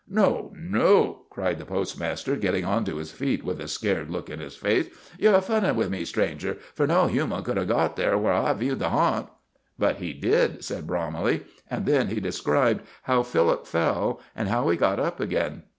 "No, no!" cried the postmaster, getting onto his feet with a scared look in his face. "Yer funnin' with me, stranger, fur no human could 'a' got thar whar I viewed the harnt." "But he did," said Bromley; and then he described how Philip fell, and how he got up again.